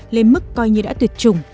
lên mức coi như đã tuyệt chủng